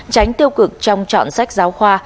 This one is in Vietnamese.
tránh tiêu cực trong chọn sách giáo khoa